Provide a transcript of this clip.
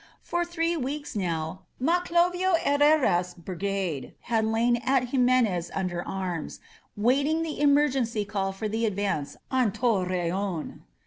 For three weeks now Maclovio Herrera's brigade had lain at Jimenez under arms, waiting the emergency call for the advance on Torreon.